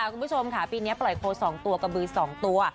คุณผู้ชมค่ะปีนี้ปล่อยโค๒ตัวกระบือ๒ตัว